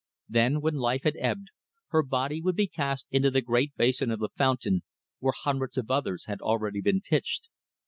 Then, when life had ebbed, her body would be cast into the great basin of the fountain, where hundreds of others had already been pitched.